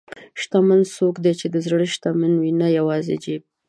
شتمن څوک دی چې د زړه شتمن وي، نه یوازې جیب.